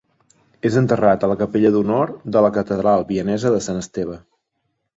És enterrat a la capella d'honor de la catedral vienesa de Sant Esteve.